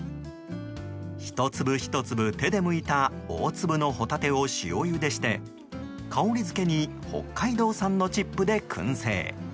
１粒１粒手でむいた大粒のホタテを塩ゆでして香りづけに北海道産のチップで燻製。